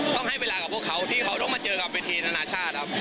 ให้เวลากับพวกเขาที่เขาต้องมาเจอกับเวทีนานาชาติครับ